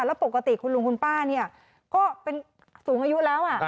แล้วปกติคุณลุงคุณป้าเนี่ยก็เป็นสูงอายุแล้ว